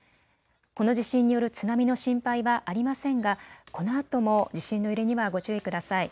この地震による津波の心配はありませんが、このあとも地震の揺れにはご注意ください。